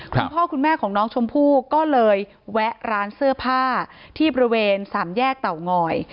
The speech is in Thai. คุณพ่อคุณแม่ของน้องชมพู่ก็เลยแวะร้านเสื้อผ้าที่บริเวณสามแยกเตางอย